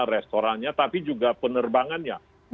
restorannya tapi juga penerbangannya